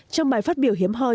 trong bài phát biểu hiếm hoi